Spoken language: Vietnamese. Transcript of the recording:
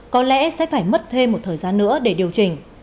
có lẽ sẽ phải mất thêm một thời gian nữa để điều chỉnh